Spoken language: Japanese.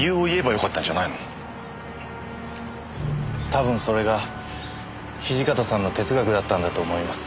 多分それが土方さんの哲学だったんだと思います。